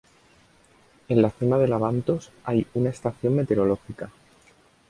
En la cima del Abantos hay una estación meteorológica.